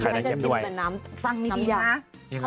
ใครจะชิมแบบน้ำฟังนิดนึงนะ